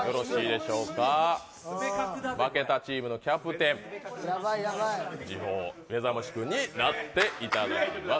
負けたチームのキャプテン時報めざましくんになっていただきます。